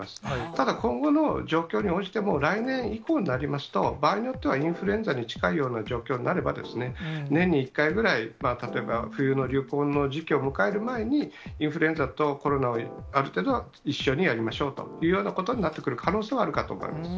ただ今後の状況に応じて来年以降になりますと、場合によっては、インフルエンザに近いような状況になればですね、年に１回ぐらい、例えば、冬の流行の時期を迎える前に、インフルエンザとコロナをある程度は一緒にやりましょうというようなことになってくる可能性はあるかと思います。